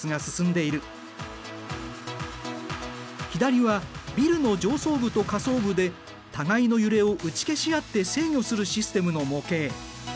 左はビルの上層部と下層部で互いの揺れを打ち消し合って制御するシステムの模型。